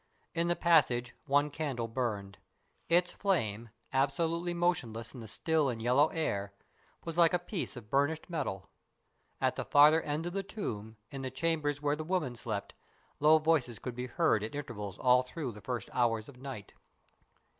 In the passage one candle burned. Its flame, absolutely motionless in the still and yellow air, was like a piece of burnished metal. At the farther end of the tomb, in the chambers where the women slept, low voices could be heard at intervals all through the first hours of night.